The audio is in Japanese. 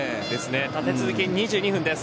立て続けに２２分です。